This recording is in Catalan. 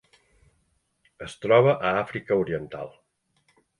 Es troba a Àfrica Oriental: